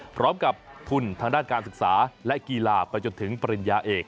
พร้อมกับทุนทางด้านการศึกษาและกีฬาไปจนถึงปริญญาเอก